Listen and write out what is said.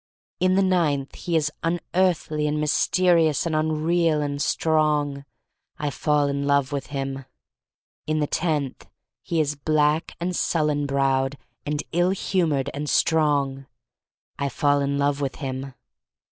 In the ninth he is unearthly and mys terious and unreal — and strong. I fall in love with him. In the tenth he is black and sullen browed, and ill humored — and strong. I fall in love with him.